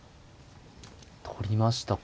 取りましたか。